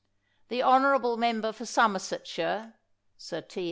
The honorable member for Somersetshire [Sir T.